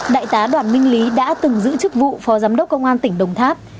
đại tá đoàn minh lý đã từng giữ chức vụ phó giám đốc công an tỉnh đồng tháp